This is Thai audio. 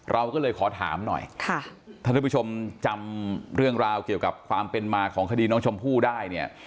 เราก็เลยขอถามหน่อยค่ะท่านผู้ชมจำเรื่องราวเกี่ยวกับความเป็นมาของคดีน้องชมพู่ได้เนี่ย